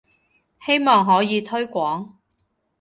希望可以推廣